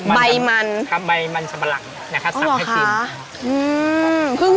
ใบมันใบมันสัมปรั๋งซัมให้จีน